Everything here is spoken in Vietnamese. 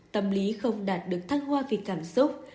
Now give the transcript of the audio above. tâm lý không đạt được thăng hoa vì cảm xúc